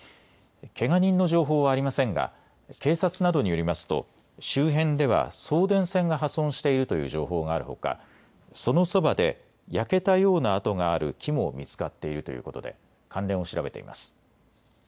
けが人の情報はありませんが警察などによりますと周辺では送電線が破損しているという情報があるほかそのそばで焼けたような跡がある木も見つかっいるということで関連を調べています。